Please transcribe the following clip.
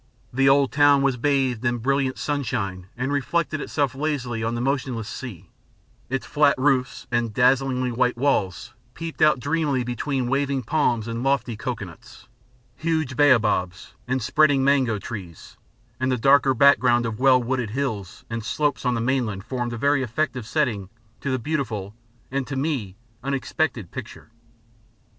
The old town was bathed in brilliant sunshine and reflected itself lazily on the motionless sea; its flat roofs and dazzlingly white walls peeped out dreamily between waving palms and lofty cocoanuts, huge baobabs and spreading mango trees; and the darker background of well wooded hills and slopes on the mainland formed a very effective setting to a beautiful and, to me, unexpected picture.